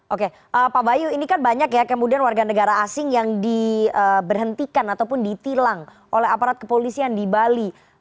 oke pak bayu ini kan banyak ya kemudian warga negara asing yang diberhentikan ataupun ditilang oleh aparat kepolisian di bali